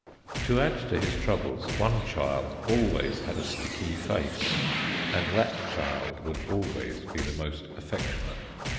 To add to his troubles, one child always had a sticky face; and that child would always be the most affectionate.